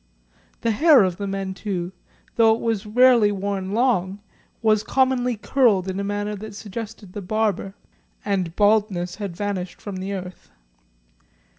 The hair of the men, too, though it was rarely worn long, was commonly curled in a manner that suggested the barber, and baldness had vanished from the earth.